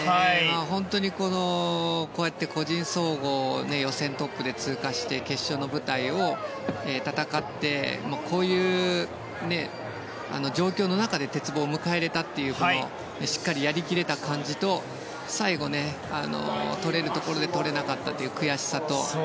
こうやって個人総合を予選トップで通過して決勝の舞台を戦ってこういう状況の中で鉄棒を迎えられたというしっかりやり切れた感じと最後取れるところで取れなかった悔しさと。